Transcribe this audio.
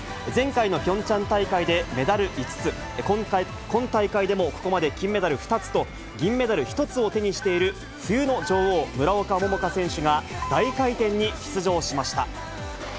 前回のピョンチャン大会でメダル５つ、今大会でもここまで金メダル２つと銀メダル１つを手にしている冬の女王、村岡桃佳選手が、大回転に出場しました。